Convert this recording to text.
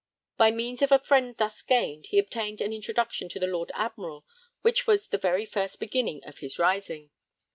By means of a friend thus gained, he obtained an introduction to the Lord Admiral, which was 'the very first beginning' of his rising.